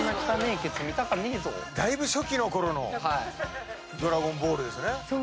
だいぶ初期のころの『ドラゴンボール』ですね。